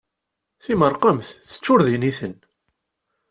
Timerqemt teččur d initen.